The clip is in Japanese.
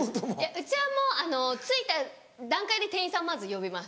うちはもう着いた段階で店員さんまず呼びます。